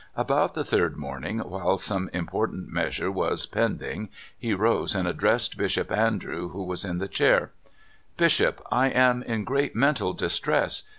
About the third morning, while some im portant measure was pending, he rose and ad dressed Bishop Andrew, who was in the chair: *' Bishop, I am in great mental distress.